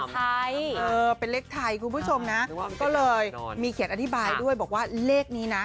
ไทยเออเป็นเลขไทยคุณผู้ชมนะก็เลยมีเขียนอธิบายด้วยบอกว่าเลขนี้นะ